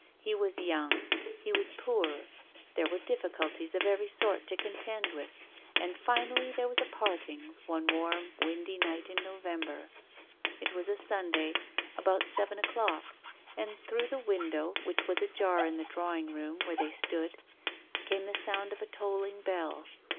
He was young, he was poor, there were diffi culties of every sort to contend with, and A YOUNG GIRL. * 47 ' finally there was a parting one warm, windy night in November. It was a Sunday, about seven o'clock, and through the window, which was ajar in the drawing room where they stood, came the sound of a tolling bell.